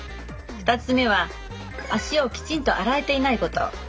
２つ目は足をきちんと洗えていないこと。